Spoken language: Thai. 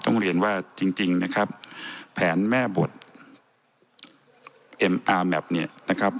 ต้องเรียนว่าจริงนะครับแผนแม่บทเอ็มอาร์แมพเนี่ยนะครับ